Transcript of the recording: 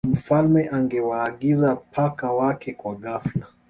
mfalme angewaagiza paka Wake kwa ghafla